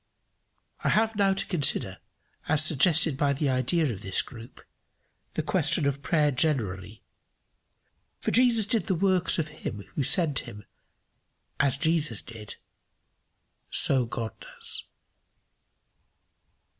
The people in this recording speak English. I have now to consider, as suggested by the idea of this group, the question of prayer generally; for Jesus did the works of him who sent him: as Jesus did so God does.